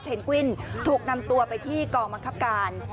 กวินถูกนำตัวไปที่กองบังคับการ